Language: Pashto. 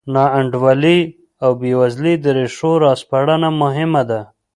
ناانډولۍ او بېوزلۍ د ریښو راسپړنه مهمه ده.